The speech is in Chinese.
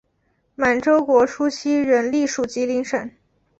满洲国初期仍隶属吉林省。